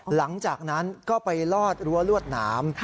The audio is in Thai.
หลังจากนั้นก็ไปลอดรั้วรวดหนาม